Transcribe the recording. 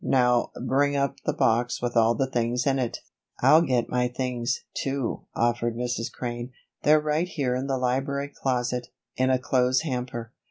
"Now bring up the box with all the things in it." "I'll get my things, too," offered Mrs. Crane. "They're right here in the library closet, in a clothes hamper."